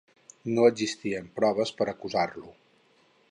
No existien proves per acusar-lo.